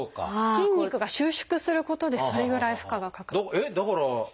筋肉が収縮することでそれぐらい負荷がかかると。